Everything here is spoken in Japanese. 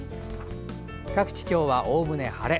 各地、今日はおおむね晴れ。